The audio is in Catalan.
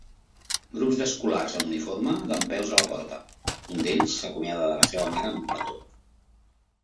Grup d'escolars amb uniforme dempeus a la porta; un d'ells s'acomiada de la seva mare amb un petó.